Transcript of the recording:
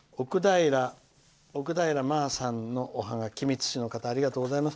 おくだいらまあさんのおハガキ君津市の方ありがとうございます。